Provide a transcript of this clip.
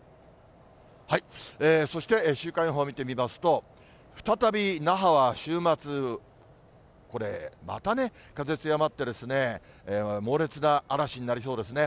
そして週間予報見てみますと、再び那覇は週末、これ、またね、風強まって、猛烈な嵐になりそうですね。